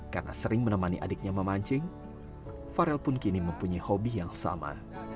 karena sering menemani adiknya memancing farel pun kini mempunyai hobi yang sama